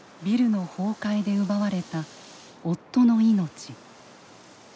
ビルの崩壊で奪われた夫の命。